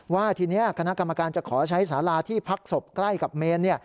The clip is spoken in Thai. ว่าทีนี้คณะกรรมการจะขอใช้สาราที่พักศพใกล้กับเมน